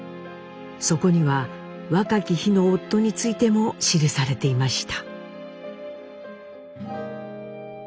そこには若き日の夫についても記されていました。